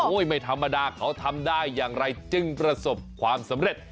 ไม่ธรรมดาเขาทำได้อย่างไรจึงประสบความสำเร็จ